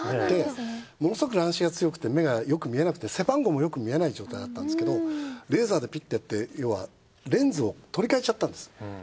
でものすごく乱視が強くて目がよく見えなくて背番号もよく見えない状態だったんですけどレーザーでピッてやって要はレンズを取り替えちゃったんです。